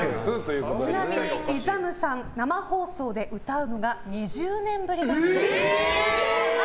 ちなみにＩＺＡＭさん生放送で歌うのが２０年ぶりだそうです。